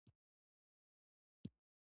هرات د افغانانو د ګټورتیا یوه برخه ده.